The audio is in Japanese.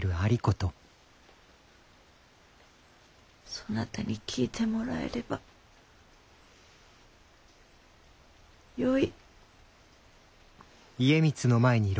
そなたに聞いてもらえればよい。